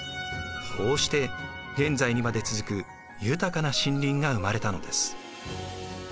こうして現在にまで続く豊かな森林が生まれたのです。